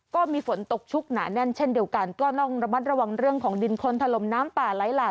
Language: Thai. ก็มีฝนตกชุกหนาแน่นเช่นเดียวกันก็ต้องระมัดระวังเรื่องของดินคนถล่มน้ำป่าไหลหลาก